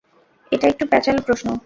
এটা একটু প্যাঁচালো প্রশ্ন।